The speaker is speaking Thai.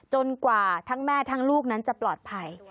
กว่าทั้งแม่ทั้งลูกนั้นจะปลอดภัย